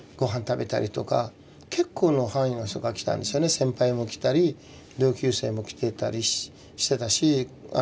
先輩も来たり同級生も来てたりしてたし。